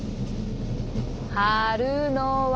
貼るのは。